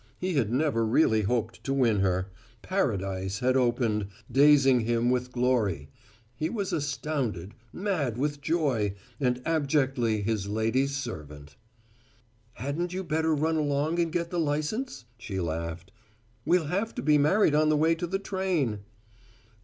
He had never really hoped to win her; paradise had opened, dazing him with glory: he was astounded, mad with joy, and abjectly his lady's servant. "Hadn't you better run along and get the license?" she laughed. "We'll have to be married on the way to the train."